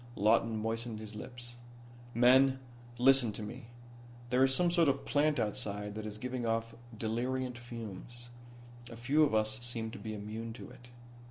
Lawton moistened his lips. "Men, listen to me. There is some sort of plant outside that is giving off deliriant fumes. A few of us seem to be immune to it.